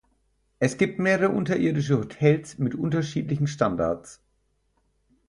Es gibt mehrere unterirdische Hotels mit unterschiedlichen Standards.